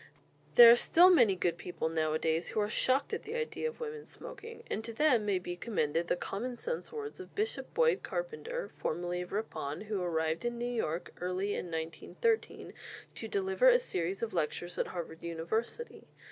There are still many good people nowadays who are shocked at the idea of women smoking; and to them may be commended the common sense words of Bishop Boyd Carpenter, formerly of Ripon, who arrived in New York early in 1913 to deliver a series of lectures at Harvard University.